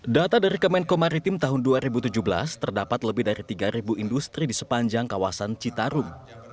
data dari kemenko maritim tahun dua ribu tujuh belas terdapat lebih dari tiga industri di sepanjang kawasan citarum